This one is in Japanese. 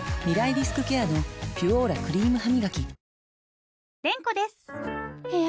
リスクケアの「ピュオーラ」クリームハミガキ